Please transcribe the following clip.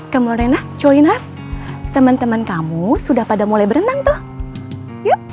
come on rena join us teman teman kamu sudah pada mulai berenang tuh yuk